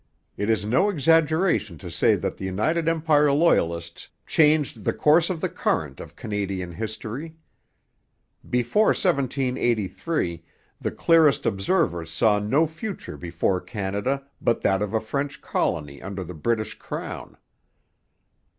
It is no exaggeration to say that the United Empire Loyalists changed the course of the current of Canadian history. Before 1783 the clearest observers saw no future before Canada but that of a French colony under the British crown.